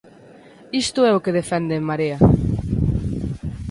Isto é o que defende En Marea.